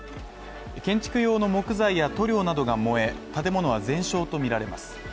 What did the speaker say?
建築用の木材や塗料などが燃え、建物は全焼とみられます。